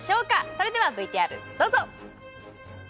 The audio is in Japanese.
それではＶＴＲどうぞ！